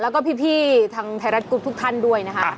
แล้วก็พี่ทางไทยรัฐกรุ๊ปทุกท่านด้วยนะคะ